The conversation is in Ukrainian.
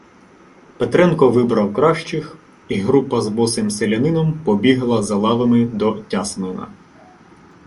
Петренко вибрав кращих, і група з босим селянином побігла за лавами до Тясмина.